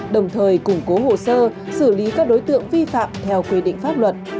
đồng thời củng cố hồ sơ xử lý các đối tượng vi phạm theo quy định pháp luật